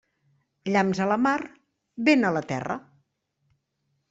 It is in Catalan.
Llamps a la mar, vent a la terra.